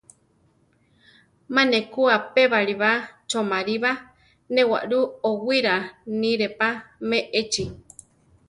Má ne ku apébali pa choʼmarí ba; né waʼlú owíra níre pa me échi.